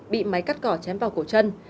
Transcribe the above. bị máy cắt cỏ chém vào cổ chân